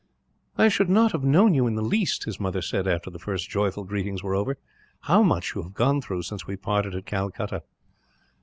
"I should not have known you, in the least," his mother said, after the first joyful greetings were over. "How much you have gone through, since we parted at Calcutta."